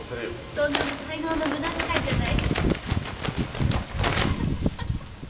そんなの才能の無駄遣いじゃない。